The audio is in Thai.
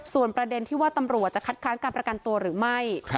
ส่วนประเด็นที่ว่าตำรวจจะคัดค้านการประกันตัวหรือไม่